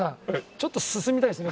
ちょっと進みたいですね